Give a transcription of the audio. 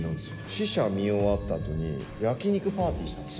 試写見終わったあとに、焼き肉パーティーしたもんね。